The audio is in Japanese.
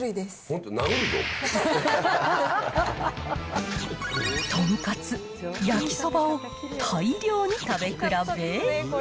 本当、豚カツ、焼きそばを大量に食べ比べ。